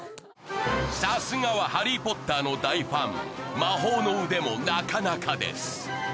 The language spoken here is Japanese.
さすがは『ハリー・ポッター』の大ファン魔法の腕もなかなかです